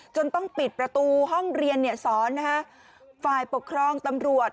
ต้องปิดประตูห้องเรียนเนี่ยสอนฝ่ายปกครองตำรวจ